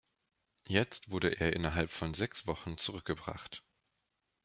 Jetzt wurde er innerhalb von sechs Wochen zurückgebracht.